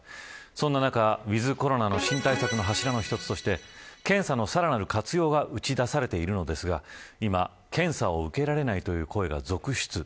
そんな中、ウィズコロナの新対策の柱の一つとして検査のさらなる活用が打ち出されているのですが今、検査を受けられないという声が続出。